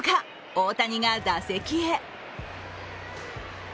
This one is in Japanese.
大谷が打席へ。